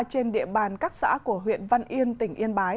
trên địa bàn các xã của huyện văn yên tỉnh yên bái